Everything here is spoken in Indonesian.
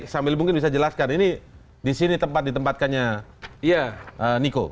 sambil mungkin bisa dijelaskan ini disini tempat ditempatkannya niko